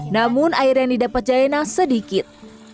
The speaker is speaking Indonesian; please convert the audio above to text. namun air yang didapat jaina sedikit